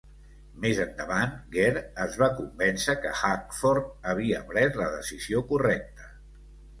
Més endavant, Gere es va convèncer que Hackford havia pres la decisió correcta.